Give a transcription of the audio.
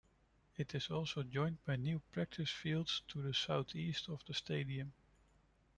It is also joined by new practice fields to the southeast of the stadium.